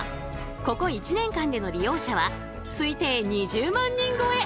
ここ１年間での利用者は推定２０万人超え。